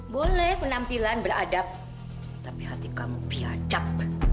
boleh penampilan beradab tapi hati kamu piacak